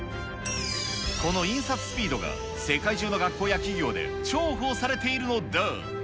この印刷スピードが世界中の学校や企業で重宝されているのだ。